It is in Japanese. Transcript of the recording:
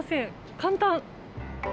簡単！